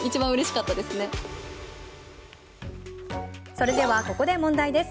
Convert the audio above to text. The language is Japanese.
それでは、ここで問題です。